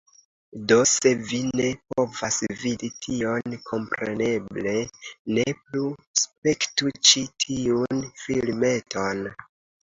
Do, se vi ne povas vidi tion, kompreneble, ne plu spektu ĉi tiun filmeton.